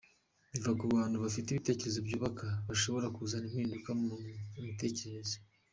Biva ku bantu bafite ibitekerezo byubaka bashobora kuzana impinduka mu mitekerereze.